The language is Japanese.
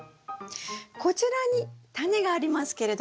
こちらにタネがありますけれども。